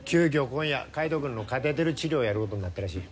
今夜海斗君のカテーテル治療やることになったらしい。